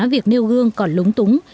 việc nêu gương còn lúng túng